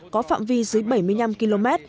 có phạm vi dưới bảy mươi năm km